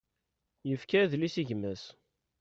Yefka adlis i gma-s.